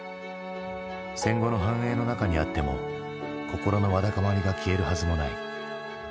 戦後の繁栄の中にあっても心のわだかまりが消えるはずもない。